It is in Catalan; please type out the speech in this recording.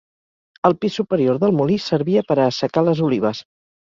El pis superior del molí servia per a assecar les olives.